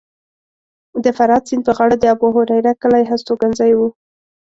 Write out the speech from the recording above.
د فرات سیند په غاړه د ابوهریره کلی هستوګنځی و